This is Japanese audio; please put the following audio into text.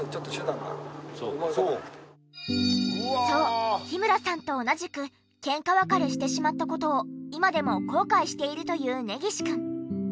そう日村さんと同じくケンカ別れしてしまった事を今でも後悔しているという根岸くん。